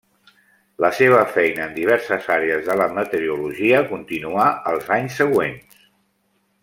La seva feina en diverses àrees de la meteorologia continuà els anys següents.